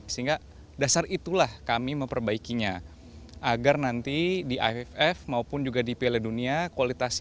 sehingga dasar itulah kami memperbaikinya agar nanti di iff maupun juga di pld dunia kualitasnya itu penuh